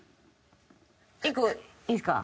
１個いいですか？